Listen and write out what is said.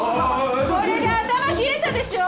これで頭冷えたでしょ？